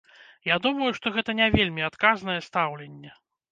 Я думаю, што гэта не вельмі адказнае стаўленне.